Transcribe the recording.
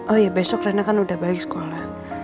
oh iya besok rana kan udah balik sekolah